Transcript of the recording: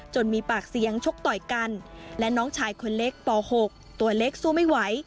มีปากเสียงชกต่อยกันและน้องชายคนเล็กป๖ตัวเล็กสู้ไม่ไหว